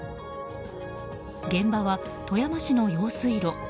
現場は、富山市の用水路。